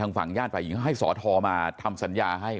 ฝั่งญาติฝ่ายหญิงเขาให้สอทอมาทำสัญญาให้